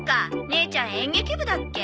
姉ちゃん演劇部だっけ。